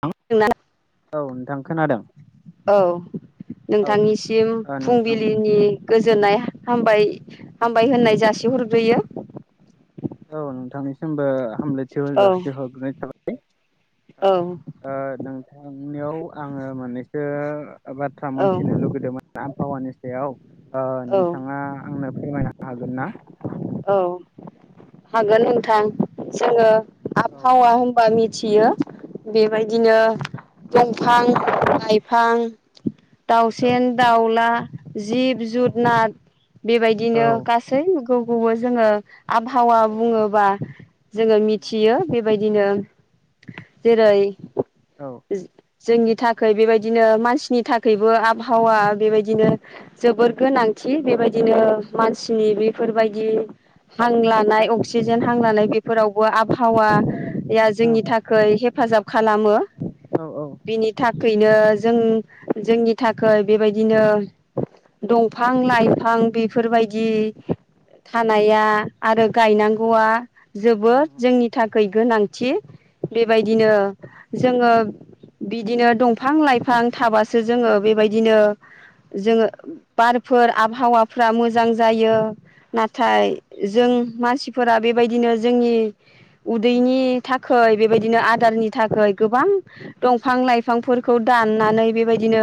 [unintelligible] औ नोंथां खोनादों। औ औ नोंथांनिसिम ओ नोंथां फुंबिलिनि गोजोननाय हामबाय-हामबाय होननाय जासि हरग्रोयो। औ नोंथांनिसिमबो हामलायथि औ जाासि हरग्रोनाय थाबा औ ओ नोंथांनियाव आङो मोननैसो बाथ्रा औ मोनथिनो लुगैदोंमोन आबहावानि सायाव ओ औ नोंथाङा आंनो फोरमायनो हागोन ना? औ हागोन औ नोंथां जोङो औ आबहावा होनबा मिथियो बेबायदिनो औ दंफां लाइफां, औ दाउसेन दाउला, जिब औ जुदनाद औ बेबायदिनो गासैगोखौबो जोङो आबहावा औ बुङोबा जोङो उम मिथियो बेबायदिनो औ जेरै औ जोंनि थाखै बेबायदिनो मानसिनि थाखैबो आबहावा बेबायदिनो जोबोर गोनां थि बेबायदिनो मानसिनि बेफोरबायदि हां लान नाय अक्सिजेन हांलानाय बेफोरावबो आबहावाया औ जोंनि थाखै हेफाजाब खालामो मो औ बिनि थाखैनो जों जोंनि थाखै बेबायदिनो दंफां लाइफां बेफोरबायदि औ थानाया आरो गायनांगौआ जोबोद उम जोंनि थाखाय गोनांथिं। उम बेबायदिनो जोङो बिदिनो दंफां लाइफां थाबासो जोङो बेबायदिनो जोङो बारफोर आबहावाफ्रा मोजां जायो। नाथाय जों मानसिफोरा बेबायदिनो जोंनि उदैनि थाखो बेबायदिनो आदारनि थाखै गोबां दंफां लाइफांफोरखौ दाननानै बेबायदिनो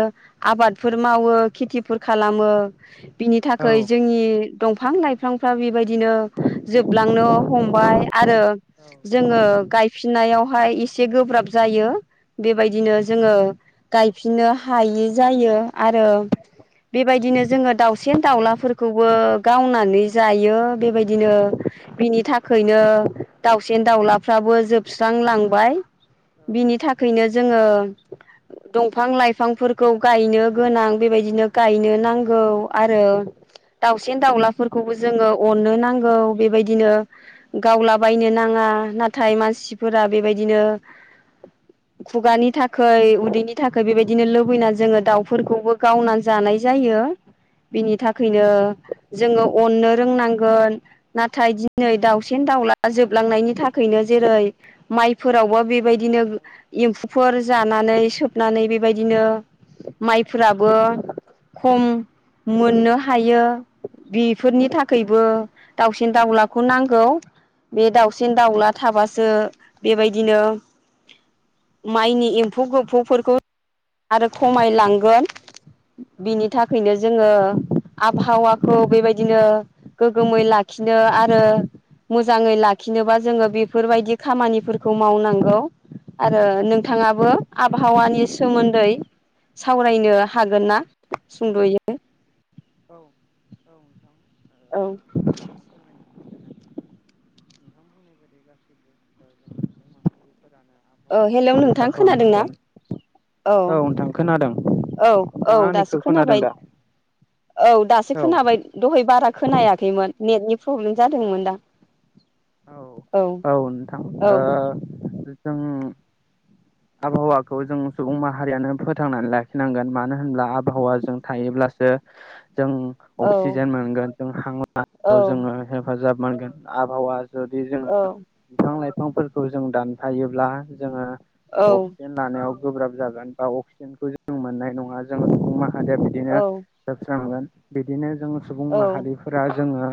आबादफोर मावो खेथिफोर खालामो बिनि औ थाखै जोंनि दंफां लाइ फांफ्रा बेबायदिनो जोबलांनो हमबाय आरो औ औ जोङो गायफिननायावहाय एसे गोब्राब जायो बेबायदिनो जोङो गायफिननो हायि जायो आरो बेबायदिनो जोङो दाउसेन दाउला फोरखौबो गावनानै जायो बेबायदिनो बिनि था खैनो दाउसेन दाउलाफ्राबो जोबस्रांलांबाय। बिनि थाखैनो जोङो दंफां लाइफांफोरखौ गायनो गोनां बेबायदिनो गायनो नांगौ आरो दाउसेन दाउलाफोरखौ खौबो जोङो अननो नांगौ बेबायदिनो गावलाबायनो नाङा ना थाय मानसिफोरा बेबायदिनो [inaudible] खुगानि थाखाय उदैनि थाखाय बेबायदिनो लुबैनानै जोङो दाउफोरखौबो गावना जानाय जायो। [unintelligible] बिनि थाखायनो औ जोङो अननो औ रोंनांगोन नाथाय दिनै दाउसेन दाउला जोबलांनायनि थाखायनो जेरै माइफोरावबो बेबायदि दिनो औ नोंथां एम्फौफोर जा नानै सोबनानै बेबायदिनो माइफोराबो। खम मोननो हायो बि फोरनि थाखायबो दाउसिन दाउलाखौ नांगौ बे दाउ सिन दाउला थाबासो बेबायदिनो माइनि एम्फौ गोफौफोरखौ आरो खमायलां। गोन बिनि ओ थाखायनो जोङो आबहावाखौ बेबाय दिनो गोगोमै लाखिनो आरो मोजाङै ला खिनोबा जोङो बेफोरबायदि खामानिफोर खौ मावनांगौ आरो नोंथाङाबो आबहावानि सोमोन्दै सावरायनो हागोन ना सुंद'यै औ औ नोंथां औ [unintelligible] नोंथां [unintelligible] फोरानो औ हेलौ आबहावाफोरखौ रैखा नोंथां खोनादोंना खालामनांगोन। औ नोंथां खोनादों औ औ नोंथाङा दासो आंनिखौ खोनादों खोनाबाय दा। औ दासो औ खोनाबाय दहाय बारा खोनायाखैमोन नेटनि प्रब्लेम जादोंमोन दा। औ औ नोंथां ओ जों आबहावाखौ जों सुबुं माहारियानो फोथांनानै लाखिनांगोन मानो होनब्ला आबहावा जों थायो। ब्लासो। जों औ अक्सिजेन मोनगोन जों हांलायाव औ जोङो हेफाजाब मोनगोन आबहावा जुदि जोङो औ बिफां लाइफांफोरखौ जों दानफायोब्ला जोङो अक्सिजेन लानायाव गोब्राब जागोन, बा अक्सिजेनखौ जों मोननाय नङा, जों मा [unintelligible] बिदिनो औ जोबस्रांगोन। बिदिनो जों सुबुं औ माहारिफोरा जोङो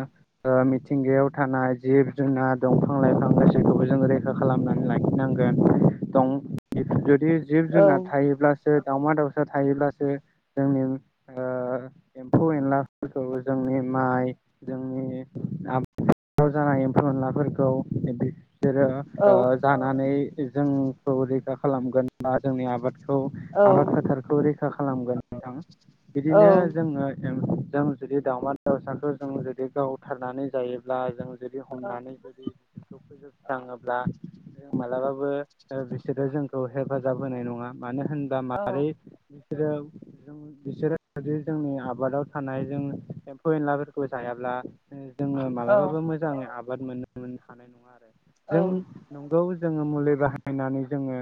ओ मिथिंगायाव थानाय जिब जोंना दंफां लाइफां गासैखौबो जों रैखा खालामनानै लाखिनांगोन। दं बेखौ जुदि जिब जुनार औ थायोब्ला [unintelligible] दावउमा दाउसा थायोब्लासो, जोंनि ओ एम्फौ एनलाफोरखौ जों नि माइ, जोंनि [unintelligible] खनलाफोरखौ बिसोरो औ ओ जानानै जोंखौ रैखा खालामगोन बा जोंनि आबादखौ आबाद फोथारखौ रै खा खालामगोन नोंथां। बिदिनो जोङो जों जुदि दाउमा दाउसाखौ जों जुदि गावथारनानै जायोब्ला, जों जु हमनानै जुदि बिसोरखौ फोजोब थाङोब्ला, जों मालाबाबो बिसोरो जोंखौ हेफाजाब होनाय नङा। मानो होनबा मारै औ बिसोरो बिसोरो जदि जोंनि आबादाव थानाय जों एम्फौ एनलाफोरखौ जायाब्ला जोङो औ मालाबाबो मोजाङै आबाद मोननो हानाय नङा आरो। जों औ नंगौ जोङो मुलि बाहायनानै जोङो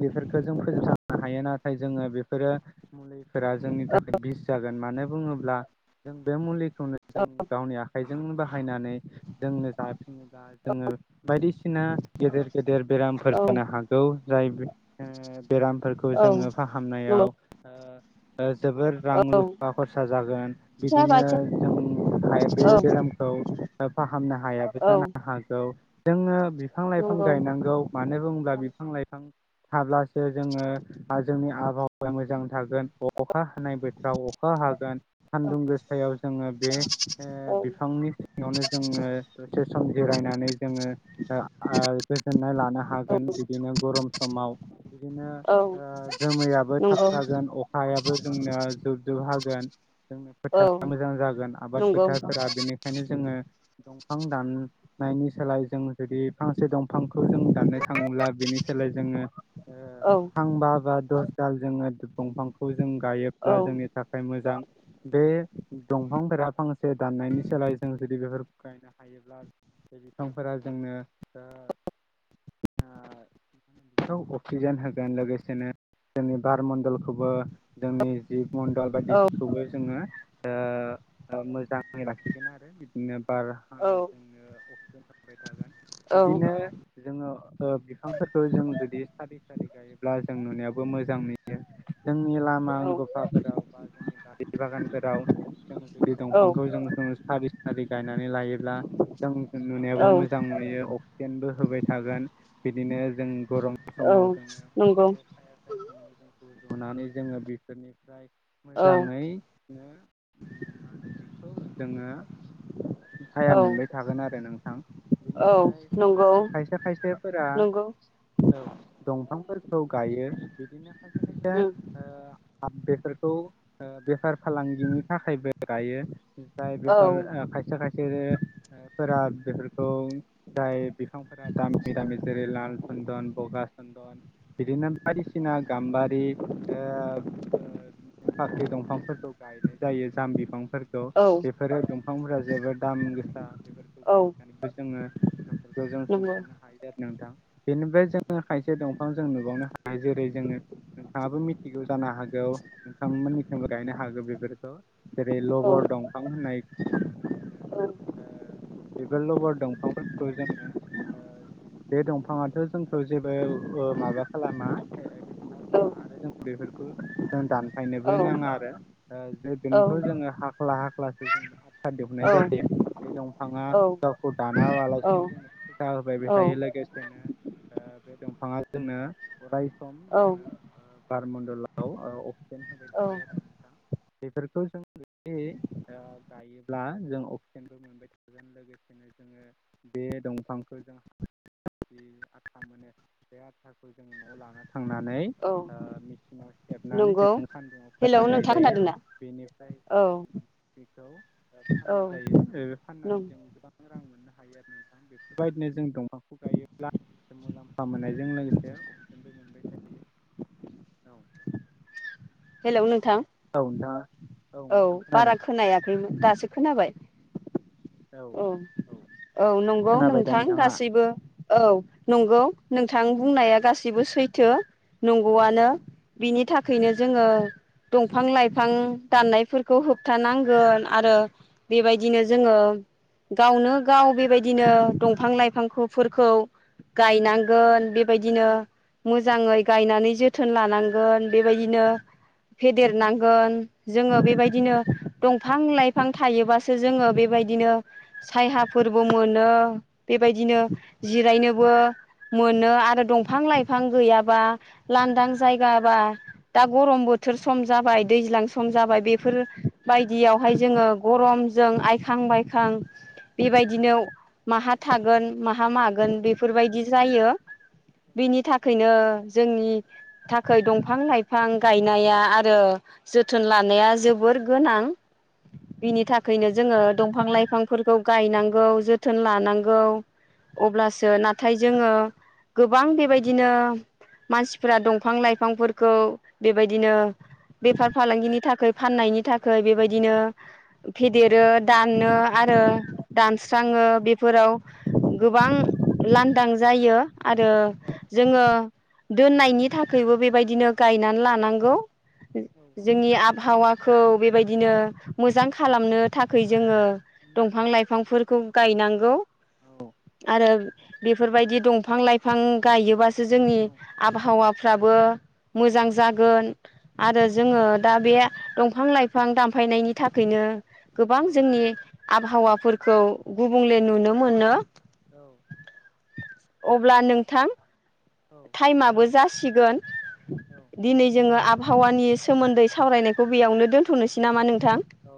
बेफोरखौ जों फोजोबस्रांनो हायो नाथाय जोङो बेफोरो मुलि फोरा जोंनि थाखाय बिस जागोन। मानो बुङोब्ला जों बे मुलिखौनो जों गावनि आखाइ जों बाहायनानै जोंनो जाफिनोब्ला, जोङो बायदिसिना गेदेर गेदेर बेरामफोर जानो हागौ। जाय बे ओ बेरामफोरखौ जोङो फाहामनायाव औ नंगौ ओ जोबोर रां औ रुफा खरसा जागोन। फिसा बिदिनो बाथि जों औ [unintelligible] बेराम खौ फाहामनो हायाबो औ जानो हागौ जोङो बिफां लाइफां नंगौ गायनांगौ। मानो बुंब्ला बिफां लाइफां थाब्लासो जोङो जोंनि आबहावाया मोजां थागोन। अखा हानाय बोथोराव अखा हागोन, सान्दुं गोसायाव जोङो बे ओ औ बिफांनि सिङावनो जोङो दसे सम जिरायनानै जोङो ओ गोजोननाय लानो औ हागोन, बिदिनो गरम समाव बिदिनो औ ओ जोमैयाबो थाब नंगौ थागोन, अखायाबो जोंना जोबजोब हागोन जोंनि औ फोथारा मोजां जागोन, आबाद नंगौ फोथारफोरा, बेनि जोङो दंफां दाननायनि सोलाय जों जुदि फांसे दंफां खौ जों दाननो थाङोब्ला, बेनि सोलाय जोङो ओ औ फांबा बा दस दाल जोङो दंफांखौ जों औ गायोब्ला जोंनि थाखाय मोजां। बे दंफांफोरा फांसे दाननायनि सोलाय जों जुदि बेफोर गायनो हायोब्ला बे बिफांफोरा जोंनो ओ ओ बेखौ अक्सिजेन होगोन लोगोसेनो जोंनि बार मणडलखौबो जोंनि जिब मणडल औ बायदिखौबो जोङो ओ मोजाङै लाखिगोन आरो। बिदिनो बार जोंनो अक्सिजेन [unintelligible] थागोन, औ बिदिनो जोङो बिफांफोरखौ जों जुदि सारि सारि गायोब्ला जों नुनायाबो मोजां नुयो जोंनि लामा औ गफाफोराव बा जोंनि बारि बागानफोराव जोङो जुदि दंफांखौ औ जों सारि सारि गायनानै लायोब्ला जों नुनायाबो औ मोजां नुयो, अक्सिजेनबो होबाय थागोन, बिदिनो जों गरम समाव जोङो नंगौ बे साया सायखुङाव जोंखौ रुनानै जोङो बेफोरनिफ्राय औ मोजाङैनो [unintelligible] मा होनो बिखौ जोङो साया मोनबाय थागोन आरो नोंथां‌ औ बेनिफ्राय नंगौ जों खायसे खायसेफोरा, नंगौ [unintelligible] दंफांफोर खौ गायो बिदिनो खायसे खायसे उम [unintelligible] बेफोरखौ बेफार फालांगिनि थाखायबो गायो जाय औ बेफार फोरो फोरा बेफोरखौ जाय बिफांफोरा दामि दामि जेरै लाल सन्दन बगा सन्दन बिदिनो बायदिसिना गाम्बारि ओ ओ फाख्रि दंफां गायनाय जायो जाम बिफां फोरखौ बेफोरो दंफांफोरा जोबोद दाम गोसा बेफोरखौ औ गायनानैबो जोङो फोरखौ जों नंगौ सोंखांनो हायो आरो नोंथां। बेनिफ्राय जोङो खायसे दंफां जों नुबावनो हायो जेरै जोङो नोंथाङाबो मिथिगौ जानो हागौ नोंथांमोननिथिंबो गायनो हागौ बेफोरखौ जेरै औ औ लबर औ दंफां होननायखौ नुनो मोनो। ओ बेफोर लबर दंफांफोरखौ जोङो ओ बे दंफाङाथ' जोंखौ जेबो माबा खालामा हेंथा होआ आरो जों बेफोरखौ जों दान बायनोबो नाङा आरो बेनिखौ जोङो हाख्ला हाख्लासो जों [unintelligible] दिहुननाय जायो। बे दंफाङा गावखौ औ दानाबालासिनो जों [unintelligible] होबाय बे औ औ थायो लोगोसे बे दंफाङा जोंनो अराय सम औ जोंनो बारमणडलाव अक्सिजेन होबाय औ थायो आरो नोंथां। बेफोरखौ जोंदि गायोब्ला जों ससेनबो मोनबाय थागोन लोगोसेनो जोङो बे दंफांखौ जों जि आथा मोनो बे आथाखौ जों न'आव लाना थांनानै औ ओ मेचिनाव हेबनानै नंगौ जों सान्दुंआव हेलौ फोराननाय नोंथां जायो खोनादोंना बेनिफ्राय औ जों बेखौ औ फाननाय जायो बे फाननानै जोङो गोबां रां मोननो हायो आरो। नोंथां बेफोरबायदिनो जों दंफांखौ गायोब्ला मुलाम्फा मोननायजों लोगोसे अक्सिजेनबो मोन औ हेल' नोंथां औ नोंथांआ औ बारा खोनायाखैमोन दासो खोनाबाय। औ औ नंगौ खोनाबाय दा नोंथां नोंथाङा औ गासैबो। औ नंगौ नोंथां बुंनाया गासिबो सैथो। नंगौआनो बिनि थाखैनो जोङो। दंफां लाइफां दाननायफोरखौ होबथानांगोन आरो बेबायदिनो जोङो। गावनो गाव बेबायदिनो दंफां लाइफांफोरखौ। औ गायनांगोन बेबायदिनो औ मोजाङै गायनानै जोथोन लानांगोन बेबायदि नो। फेदेरनांगोन जोङो बेबायदिनो दंफां लाइफां थायोबासो जोङो बेबायदिनो। सायहाफोरबो मोनो बेबायदिनो जिरायनोबो मोनो। आरो दंफां लाइफां गैयाबा लांदां जायगाबा दा गरम बोथोर सम जाबाय दैज्लां सम जाबाय बेफोरबायदियावहाय जोङो गरमजों आइखांबाय खां बेबायदिनोव औ माहा थागोन माहा मागोन बे बेफोरबायदि जायो। बिनि थाखैनो जोंनि थाखाय दंफां लाइफां गायनाया आरो जोथोन लानाया जोबोर गोनां बिनि थाखैनो जोङो दंफां लाइफां बिफांफोरखौ गायनांगौ जोथोन लानांगौ। अब्लासो नाथाय जोङो गोबां बेबायदिनो। मानसिफोरा दंफां लाइफांफोरखौ बेबायदिनो। बेफार फालांगिनि थाखाय फाननायनि थाखाय बेबायदिनो फेदेरो दानो। आरो दानस्राङो बेफोराव गोबां लांदां जायो आरो। जोङो दोननायनि थाखायबो बेबायदिनो गायनानै लानांगौ। जोंनि आबहावा खौ बेबायदिनो मोजां खालामनो थाखाय जोङो दंफां लाइफांफोर खौ गायनांगौ। औ आरो बेफोरबायदि दंफां लाइफां गायोबासो जोंनि औ आबहावा फ्राबो मोजां जागोन आरो जोङो दा बे दंफां लाइफां दानफाय फायनायनि थाखायनो गोबां औ जोंनि वाफोरखौ गुबुंले नुनो मोनो। औ अब्ला नोंथां औ टाइमाबो नोंथां जासिगोन औ दिनै औ जोङो आबहावानि सोमोन्दै साव सावरायनायखौ बेयावनो दोनथ'नोसै नामा नोंथां। औ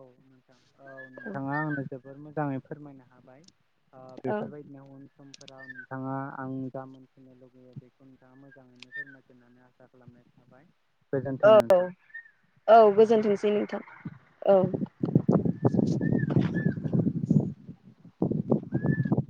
औ नोंथाङा आंनो जोबोर मोजाङै फोरमायनो हाबाय। ओ औ बेफोरबायदि उन समफोराव नोंथाङा आं जा मोन्थिनो लुुबैयो बेखौ नोंथाङा मोजाङैनो फोरोंमायगोन होननानै आसा खालामनाय थाबाय। गोजोन्थों औ नोंथां औ गोजोननाय गोजोनथोंसै थाबाय नोंथां औ। [unintelligible]